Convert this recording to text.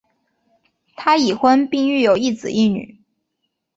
他已婚并育有一子一女。